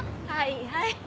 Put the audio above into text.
はいはい。